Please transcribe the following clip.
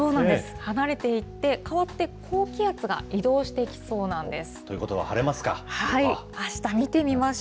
離れていって、変わって高気圧が移動してきそうなんです。